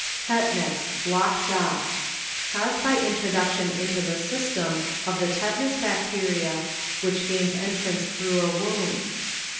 Tetanus (Lock Jaw) .ŌĆöCaused by in troduction into the system of the tetanus bacteria, which gains entrance through a wound.